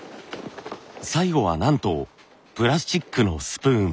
最後はなんとプラスチックのスプーン。